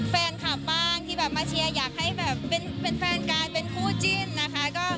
แฟนคลับบ้างที่แบบมาเชียร์อยากให้แบบเป็นแฟนกายเป็นคู่จิ้นนะคะ